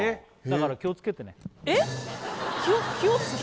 だから気をつけてねえっ！？